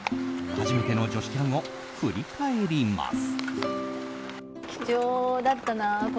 初めての女子キャンを振り返ります。